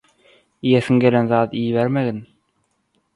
iýesiň gelen zady iýibermegin